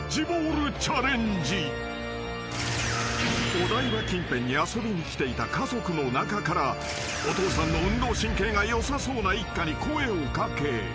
［お台場近辺に遊びに来ていた家族の中からお父さんの運動神経がよさそうな一家に声を掛け］